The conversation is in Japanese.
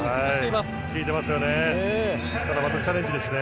またチャレンジですね。